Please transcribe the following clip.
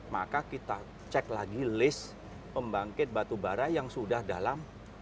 maka kita cek lagi list pembangkit batubara yang sudah dalam